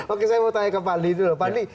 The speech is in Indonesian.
oke saya mau tanya ke fadli dulu fadli